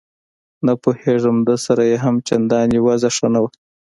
نه پوهېږم ده سره یې هم چندان وضعه ښه نه وه.